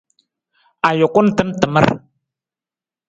Ajukun tan tamar.